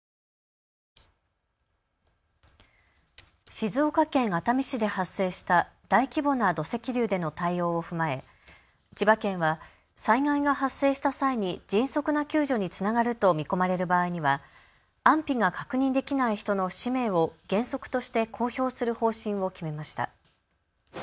静岡県熱海市で発生した大規模な土石流での対応を踏まえ千葉県は災害が発生した際に迅速な救助につながると見込まれる場合には安否が確認できない人の氏名を原則として公表する方針を決めました。